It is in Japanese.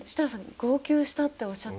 号泣したっておっしゃってたんで。